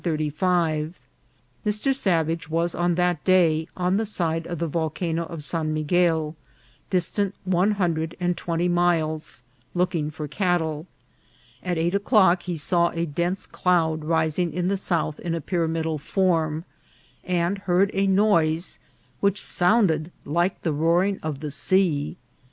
Mr. Savage was on that day on the side of the Volcano of San Miguel, distant one hundred and twenty miles, looking for cattle. At eight o'clock he saw a dense cloud rising in the south in a pyramidal form, and heard a noise which sounded like the roaring of the sea.